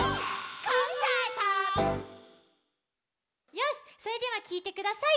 よしそれではきいてください。